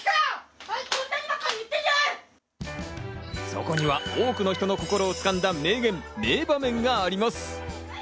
そこには多くの人の心を掴んだ名言、名場面があります。